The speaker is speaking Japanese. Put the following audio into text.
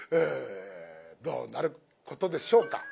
どうなることでしょうか。